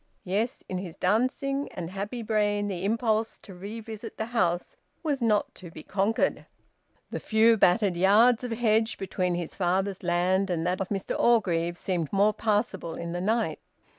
Yes, in his dancing and happy brain the impulse to revisit the house was not to be conquered. The few battered yards of hedge between his father's land and that of Mr Orgreave seemed more passable in the night.